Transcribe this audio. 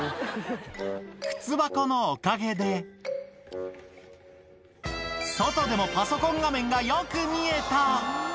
靴箱のおかげで、外でもパソコン画面がよく見えた。